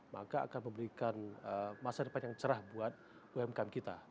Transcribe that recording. maka akan memberikan masa depan yang cerah buat umkm kita